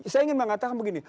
saya ingin mengatakan begini